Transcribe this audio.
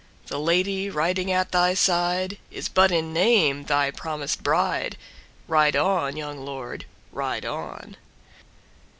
The lady riding at thy sideIs but in name thy promised bride, Ride on, young lord, ride on!